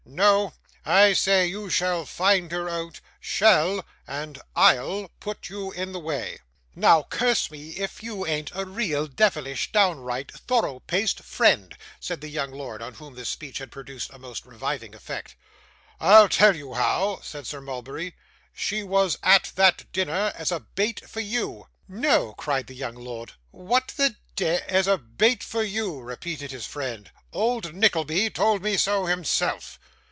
No. I say you shall find her out SHALL and I'll put you in the way.' 'Now, curse me, if you ain't a real, deyvlish, downright, thorough paced friend,' said the young lord, on whom this speech had produced a most reviving effect. 'I'll tell you how,' said Sir Mulberry. 'She was at that dinner as a bait for you.' 'No!' cried the young lord. 'What the dey ' 'As a bait for you,' repeated his friend; 'old Nickleby told me so himself.